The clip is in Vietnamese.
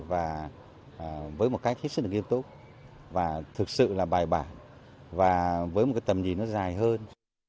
và với một cách hết sức là nghiêm túc và thực sự là bài bản và với một cái tầm nhìn nó dài hơn